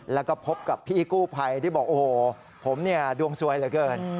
แล้วก็พบกับพี่กู้ภัยที่บอกโอ้โหผมเนี่ยดวงสวยเหลือเกิน